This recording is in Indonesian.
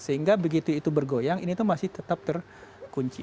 sehingga begitu itu bergoyang ini itu masih tetap terkunci